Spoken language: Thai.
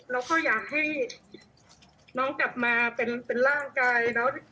เราก็อยากให้น้องกลับมาเป็นร่างกายเนอะ